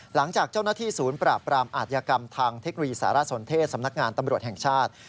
หลังจากเจ้าหน้าที่ศูนย์ปราบปรามอาธิกรรมทางเทคโนโลยีสารสนเทศสำนักงานตำรวจแห่งชาติ